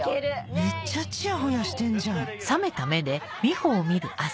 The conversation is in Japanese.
めっちゃチヤホヤしてんじゃんあっ